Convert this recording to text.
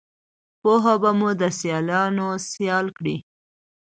پوهه به مو دسیالانوسیال کړي